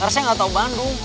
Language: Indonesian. harusnya gak tau bandung